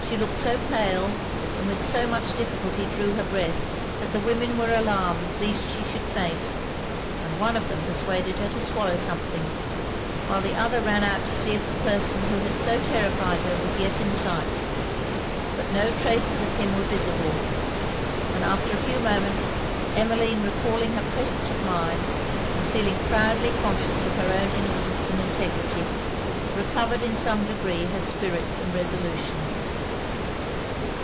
She looked so pale, and with so much difficulty drew her breath, that the women were alarmed least she should faint: and one of them persuaded her to swallow something, while the other ran out to see if the person who had so terrified her was yet in sight. But no traces of him were visible: and after a few moments, Emmeline recalling her presence of mind, and feeling proudly conscious of her own innocence and integrity, recovered in some degree her spirits and resolution.